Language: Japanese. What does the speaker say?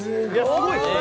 すごいですね